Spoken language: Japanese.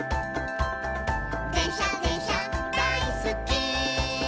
「でんしゃでんしゃだいすっき」